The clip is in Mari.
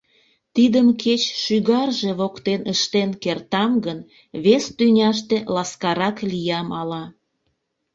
Тидым кеч шӱгарже воктен ыштен кертам гын, вес тӱняште ласкарак лиям ала.